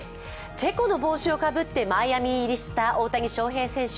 チェコの帽子をかぶってマイアミ入りした大谷翔平選手。